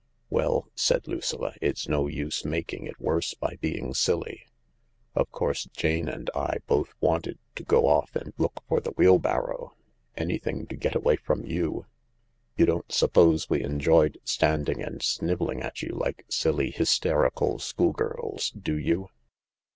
"Well," said Lucilla, "it's no use making it worse by being silly ; of course Jane and I both wanted to go off and look for the wheelbarrow — anything to get away from you. You don't suppose we enjoyed standing and snivelling at you like silly, hysterical schoolgirls, do you